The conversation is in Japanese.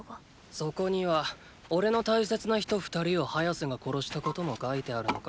そこにはおれの大切な人二人をハヤセが殺したことも書いてあるのか？